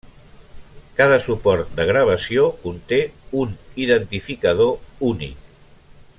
Cada suport de gravació conté un identificador únic.